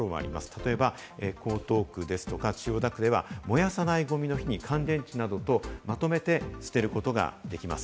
例えば、江東区ですとか千代田区では、燃やさないごみの日に、乾電池などとまとめて捨てることができます。